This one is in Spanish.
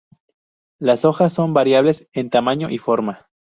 Las hojas son variables en tamaño y forma.